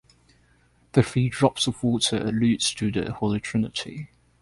The three drops of water alludes to the Holy Trinity.